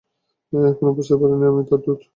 এখনও বুঝতে পারোনি আমি তার দূত?